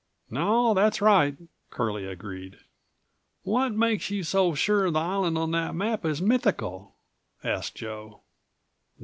"No, that's right," Curlie agreed. "What makes you so sure the island on that map is mythical?" asked Joe.